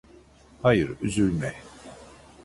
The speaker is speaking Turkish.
Hayır, üzülme.